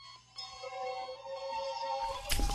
د مادي سرمایې سره د کار قوه ګډه کول مهم دي.